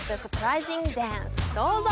どうぞ！